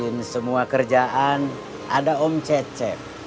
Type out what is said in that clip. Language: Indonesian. yang ngawasin semua kerjaan ada om cecep